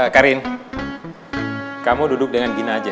karin kamu duduk dengan gini aja